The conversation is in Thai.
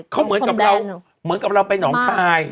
เขาเหมือนกับเราไปหนองไทย